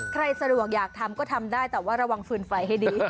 สะดวกอยากทำก็ทำได้แต่ว่าระวังฟืนไฟให้ดี